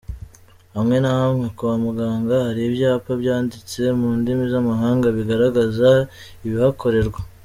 Hamwe na hamwe kwa muganga hari ibyapa byanditse mu ndimi z’amahanga bigaragaza ibihakorerwa.